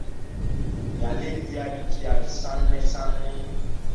Nyalel yarii diyam sanne sanne.